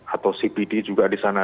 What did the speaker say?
atau cbd juga di sana